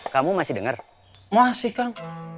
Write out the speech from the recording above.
kamu masih denger masih kak